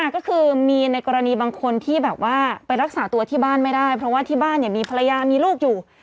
ก็คือมีในกรณีบางคนที่แบบว่าไปรักษาตัวที่บ้านไม่ได้เพราะว่าที่บ้านมีภรรยามีลูกอยู่